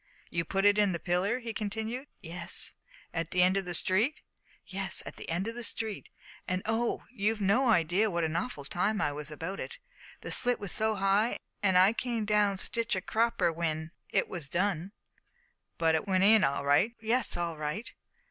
"You put it in the pillar?" he continued. "Yes." "At the end of the street?" "Yes, at the end of the street; and oh, you've no idea what an awful time I was about it; the slit was so high, an' I come down sitch a cropper w'en it was done!" "But it went in all right?" "Yes, all right."